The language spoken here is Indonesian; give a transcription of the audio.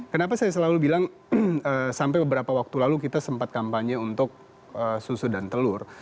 kenapa saya selalu bilang sampai beberapa waktu lalu kita sempat kampanye untuk susu dan telur